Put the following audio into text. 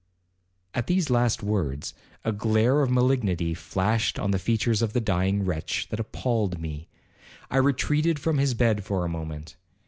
At these last words, a glare of malignity flashed on the features of the dying wretch, that appalled me. I retreated from his bed for a moment.